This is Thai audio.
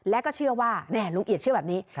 และก็เชื่อว่าแม่ลุงเอียดเชื่อแบบนี้